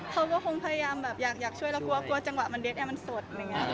เขาก็คงพยายามแบบอยากช่วยแล้วก็กลัวจังหวะมันเด็ดแอมมันสด